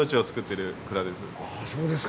そうですね。